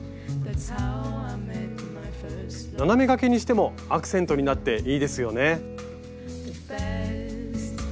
斜めがけにしてもアクセントになっていいですよね。